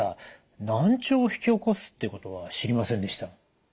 難聴を引き起こすっていうことは知りませんでした。